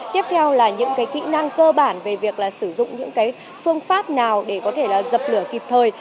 tiếp theo là những kỹ năng cơ bản về việc là sử dụng những phương pháp nào để có thể là dập lửa kịp thời